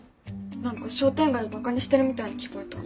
何か商店街をバカにしてるみたいに聞こえた。